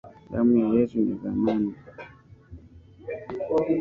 Damu ya Yesu ya thamani.